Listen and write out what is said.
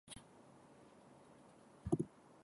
A qui va rellevar d'aquest càrrec?